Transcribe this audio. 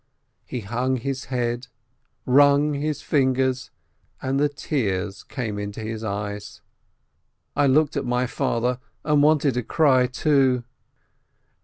He hung his head, wrung his fingers, and the tears came into his eyes. I looked at my father and wanted to cry, too.